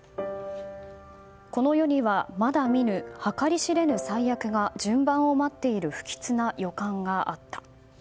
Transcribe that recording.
この世には、まだ見ぬ計り知れぬ災厄が順番を待っている不吉な予感があった。